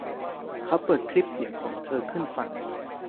เขาเปิดคลิปเสียงของเธอขึ้นฟัง